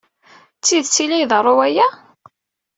D tidet ay la iḍerru waya?